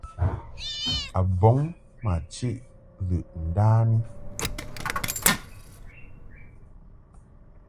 A bɔŋ ma chiʼ lɨʼ ndani.